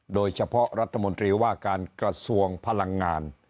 โดยเฉพาะรัฐมนตรีว่าการกระทรวงพลังงาน